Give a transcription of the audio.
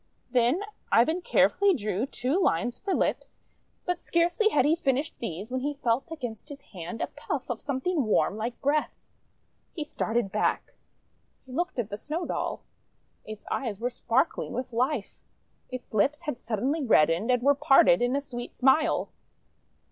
Then Ivan carefully drew two lines 298 THE WONDER GARDEN for lips; but scarcely had he finished these when he felt against his hand a puff of something warm like breath. He started back. He looked at the Snow Doll. Its eyes were sparkling with life, its lips had suddenly reddened, and were parted in a sweet smile.